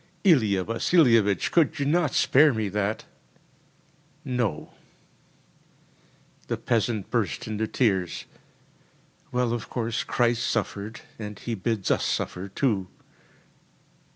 “Ilia Vasilievich, could you not spare me that?‚ÄĚ ‚ÄúNo.‚ÄĚ The peasant burst into tears. “Well, of course, Christ suffered, and He bids us suffer too.